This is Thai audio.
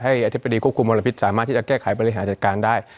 อธิบดีควบคุมมลพิษสามารถที่จะแก้ไขบริหารจัดการได้